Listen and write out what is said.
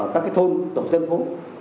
các thôn tổng thân phố